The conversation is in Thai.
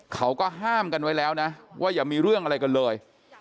เขาก็ห้ามกันไว้แล้วนะว่าอย่ามีเรื่องอะไรกันเลย